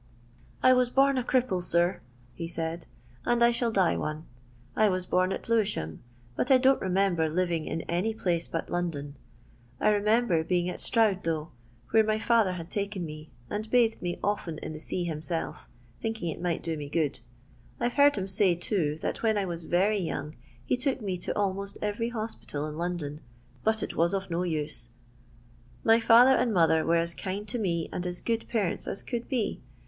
" I was bom a cripple, sir," he said, " and I shall die one. I was bom at licwisham, but I don't remember living in any place but London. I remember being at Stroud though, where my fiither had taken me, and bathed me often in the sea himself, thinking it might do me good. I 've heard him say, too, that when I was very young he took me to almost every hospital in London, but it was of no use. My father and mother were as kind to me and as good parents as could be.